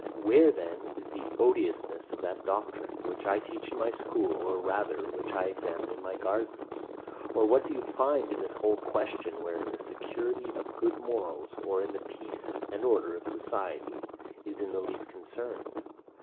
108. Where, then, is the odiousness of that doctrine, which I teach in my school, or rather, which I examine in my gardens? Or what do you find in this whole question, wherein the security of good morals, or the peace and order of society, is in the least concerned?